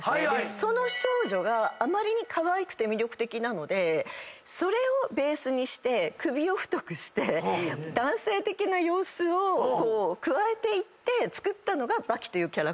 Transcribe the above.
その少女があまりにかわいくて魅力的なのでそれをベースにして首を太くして男性的な様子を加えていってつくったのが刃牙というキャラクター。